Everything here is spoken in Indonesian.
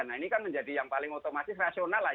nah ini kan menjadi yang paling otomatis rasional lah